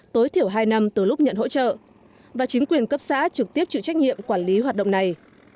tối thiểu hai năm từ lúc nhận hỗ trợ và chính quyền cấp xã trực tiếp chịu trách nhiệm quản lý hoạt động này